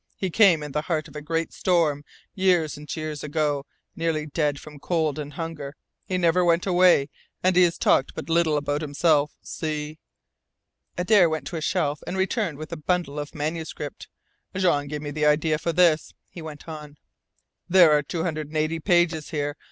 He came in the heart of a great storm, years and years ago, nearly dead from cold and hunger. He never went away, and he has talked but little about himself. See " Adare went to a shelf and returned with a bundle of manuscript. "Jean gave me the idea for this," he went on. There are two hundred and eighty pages here.